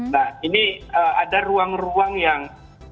nah ini ada ruang ruang yang